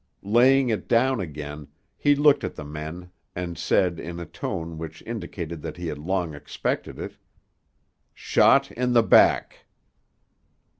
Laying it down again, he looked at the men, and said in a tone which indicated that he had long expected it, "Shot in the back."